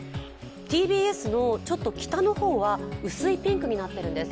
ＴＢＳの北の方は薄いピンクになっているんです。